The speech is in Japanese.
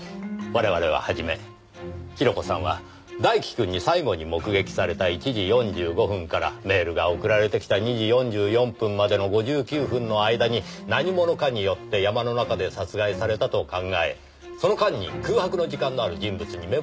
我々ははじめ広子さんは大輝くんに最後に目撃された１時４５分からメールが送られてきた２時４４分までの５９分の間に何者かによって山の中で殺害されたと考えその間に空白の時間のある人物に目星をつけていました。